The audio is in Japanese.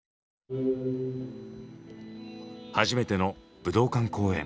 初めての武道館公演。